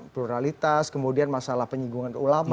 pluralitas kemudian masalah penyinggungan ulama